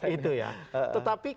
itu ya tetapi